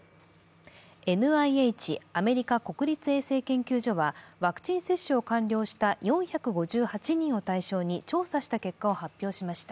ＮＩＨ＝アメリカ国立衛生研究所は、ワクチン接種を完了した４５８人を対象に調査した結果を発表しました。